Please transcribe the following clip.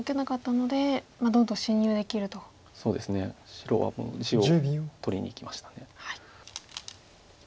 白はこの石を取りにいきました。